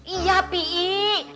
iya pih ii